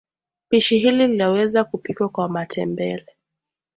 Pishi hili laweza kupikwa kwa matembele